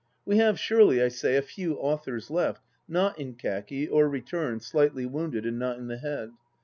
We have surely, I say, a few authors left, not in khaki, or returned, slightly wounded and not in the head.